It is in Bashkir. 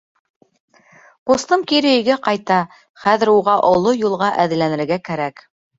Ҡустым кире өйгә ҡайта, хәҙер уға оло юлға әҙерләнергә кәрәк.